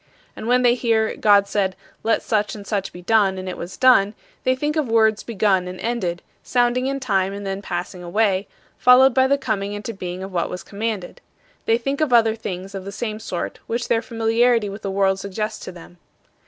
And when they hear, "God said, 'Let such and such be done,' and it was done," they think of words begun and ended, sounding in time and then passing away, followed by the coming into being of what was commanded. They think of other things of the same sort which their familiarity with the world suggests to them.